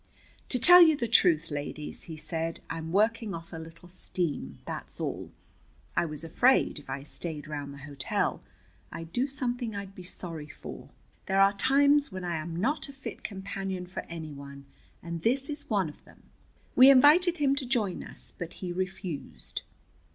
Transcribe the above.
"To tell you the truth, ladies," he said, "I'm working off a little steam, that's all. I was afraid, if I stayed round the hotel, I'd do something I'd be sorry for. There are times when I am not a fit companion for any one, and this is one of them." We invited him to join us, but he refused.